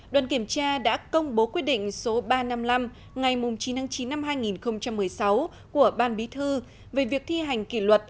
đoàn kiểm tra đã công bố quyết định số ba trăm năm mươi năm ngày chín tháng chín năm hai nghìn một mươi sáu của ban bí thư về việc thi hành kỷ luật